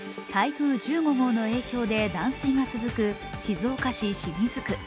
台風１５号の影響で断水が続く静岡市清水区。